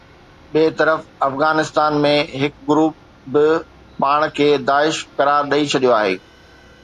ٻئي طرف افغانستان ۾ هڪ گروپ به پاڻ کي داعش قرار ڏئي ڇڏيو آهي